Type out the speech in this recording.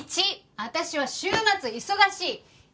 １私は週末忙しい。